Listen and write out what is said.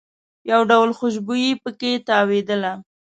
یو ډول خوشبويي په کې تاوېدله.